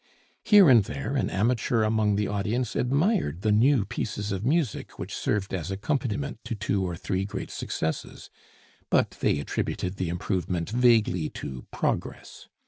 Here and there an amateur among the audience admired the new pieces of music which served as accompaniment to two or three great successes, but they attributed the improvement vaguely to "progress."